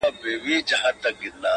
o غلیم کور په کور حلوا وېشل پښتونه,